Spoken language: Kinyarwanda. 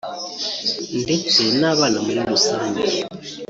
ndetse n’abana muri rusange